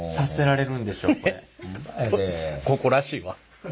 ここらしいわ。